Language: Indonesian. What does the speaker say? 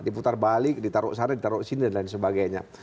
diputar balik ditaruh sana ditaruh sini dan lain sebagainya